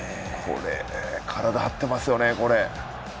体張ってますよね、これ。